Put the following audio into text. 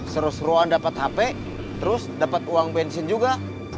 seru seruan dapet hp terus dapet uang bensin juga